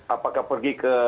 apakah pergi ke